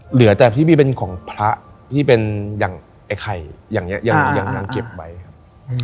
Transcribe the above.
เหลือแต่พี่บี้เป็นของพระที่เป็นอย่างไอ้ไข่อย่างนี้ยังเก็บไว้ครับ